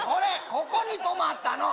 ここにとまったの！